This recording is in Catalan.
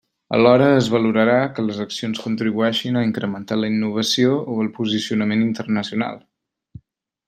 Alhora es valorarà que les accions contribueixin a incrementar la innovació o el posicionament internacional.